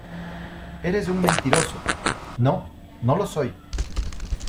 ¡ Eres un mentiroso! ¡ no, no lo soy !